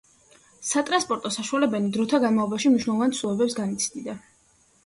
სატრანსპორტო საშუალებანი დროთა განმავლობაში მნიშვნელოვან ცვლილებებს განიცდიდა.